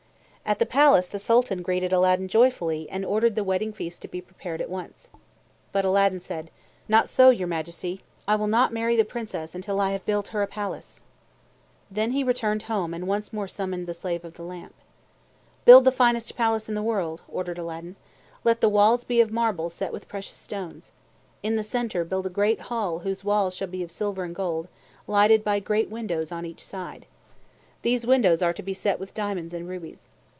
At the palace the Sultan greeted Aladdin joyfully and ordered the wedding feast to be prepared at once. But Aladdin said, "Not so, your Majesty. I will not marry the Princess until I have built her a palace." Then he returned home and once more summoned the Slave of the Lamp. "Build the finest palace in the world," ordered Aladdin. "Let the walls be of marble set with precious stones. In the center build a great hall whose walls shall be of silver and gold, lighted by great windows on each side. These windows are to be set with diamonds and rubies.